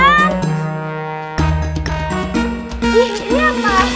ih ini apaan